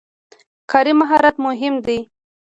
کاري مهارت مهم دی.